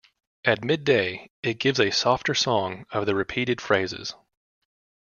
At midday it gives a softer song of repeated phrases.